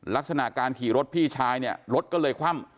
ลักษณะการขี่รถพี่ชายเนี่ยรถก็เลยคว่ำ